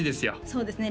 そうですね